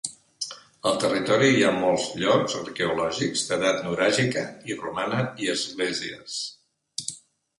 Al territori hi ha molts llocs arqueològics d'edat nuràgica i romana i esglésies.